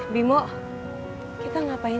bimo kita tidak tahu apa yang terjadi ini